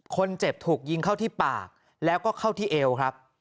คนเจ็บถูกยิงเข้าที่ปากแล้วก็เข้าที่เอวครับ